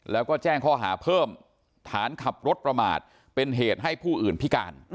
แล้วก็แจ้งข้อหาเพิ่มฐานขับรถประมาทเป็นเหตุให้ผู้อื่นพิการ